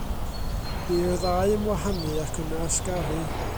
Bu i'r ddau ymwahanu ac yna ysgaru.